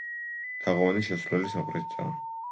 თაღოვანი შესასვლელი სამხრეთითაა.